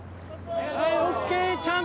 はい ＯＫ ちゃん